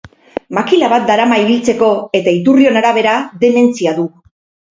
Makila bat darama ibiltzeko, eta iturrion arabera, dementzia du.